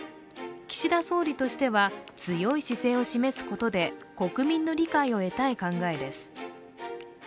岸田総理としては、強い姿勢を示すことで国民の理解を得たい考えです。